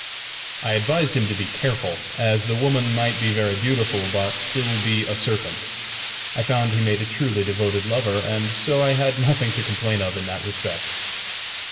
I advised him to be careful, as the woman might be very beautiful, but still be a serpent! I found he made a truly devoted lover, and so I had nothing to complain of in that respect.